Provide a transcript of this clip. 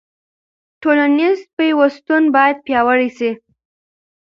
ټولنیز پیوستون باید پیاوړی سي.